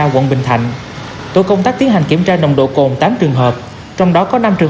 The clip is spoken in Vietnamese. quận bình thạnh tổ công tác tiến hành kiểm tra nồng độ cồn tám trường hợp trong đó có năm trường